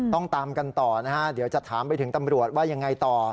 ตามกันต่อนะฮะเดี๋ยวจะถามไปถึงตำรวจว่ายังไงต่อ